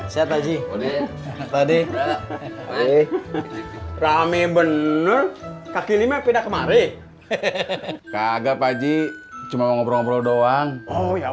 siap aja tadi rame bener kaki lima pindah kemarin hehehe kagak pak ji cuma ngobrol doang oh ya